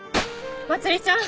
まつりちゃん！？